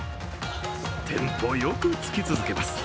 テンポよくつき続けます。